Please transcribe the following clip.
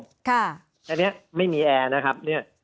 ค่ายังนี้ไม่มีแอร์นะครับ